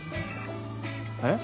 えっ？